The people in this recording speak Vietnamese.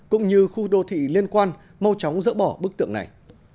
cũng như khu đô thị liên quan mau chóng dỡ bỏ bức tượng này